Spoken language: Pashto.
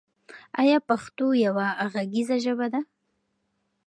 آیا پښتو یوه غږیزه ژبه ده؟